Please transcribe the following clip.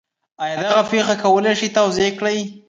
آیا دغه پېښه کولی شئ توضیح کړئ؟